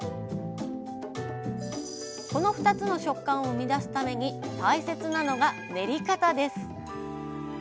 この２つの食感を生み出すために大切なのが練り方です。